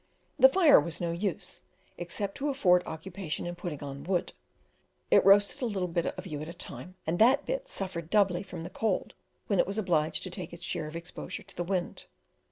The fire was no use; except to afford occupation in putting on wood; it roasted a little bit of you at a time, and that bit suffered doubly from the cold when it was obliged to take its share of exposure to the wind.